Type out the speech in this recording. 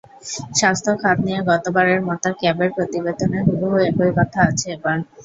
স্বাস্থ্য খাত নিয়ে গতবারের মতো ক্যাবের প্রতিবেদনে হুবহু একই কথা আছে এবার।